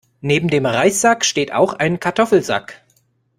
Neben dem Reissack steht auch ein Kartoffelsack.